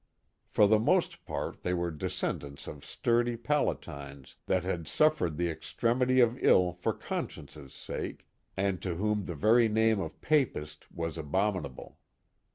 For the most part they were descendants of sturdy Palatines that had suffered ihe extremily of ill for conscience' sake, and to whom the very name of Papist was abominable.